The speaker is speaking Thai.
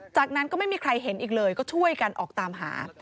จากนั้นก็ไม่มีใครเห็นอีกเลยก็ช่วยกันออกตามหา